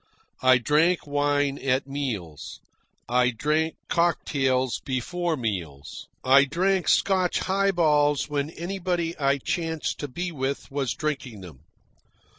I drank wine at meals. I drank cocktails before meals. I drank Scotch highballs when anybody I chanced to be with was drinking them.